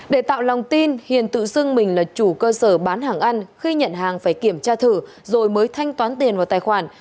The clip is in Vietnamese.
để tạo lòng tin hiền tự xưng mình là chủ cơ sở bán hàng ăn khi nhận hàng phải kiểm tra thử rồi mới thanh toán tiền vào tài khoản